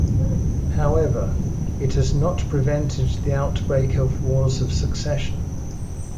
However, it has not prevented the outbreak of wars of succession.